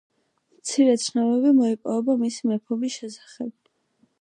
მცირე ცნობები მოიპოვება მისი მეფობის შესახებ.